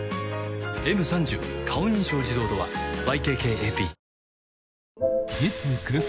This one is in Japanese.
「Ｍ３０ 顔認証自動ドア」ＹＫＫＡＰ